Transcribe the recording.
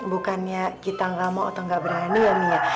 bukannya kita enggak mau atau enggak berani ya mi ya